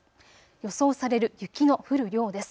予想される雪の降る量です。